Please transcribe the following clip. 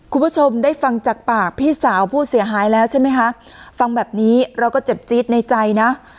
คุณผู้ชมได้ฟังจากปากพี่สาวผู้เสียหายแล้วใช่ไหมคะฟังแบบนี้เราก็เจ็บจี๊ดในใจนะ